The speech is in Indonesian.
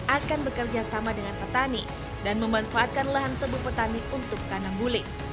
akan bekerja sama dengan petani dan memanfaatkan lahan tebu petani untuk tanam bule